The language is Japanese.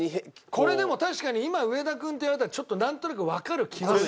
これでも確かに今上田君って言われたらちょっとなんとなくわかる気がする。